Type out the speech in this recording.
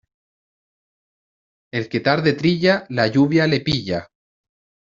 El que tarde trilla, la lluvia le pilla.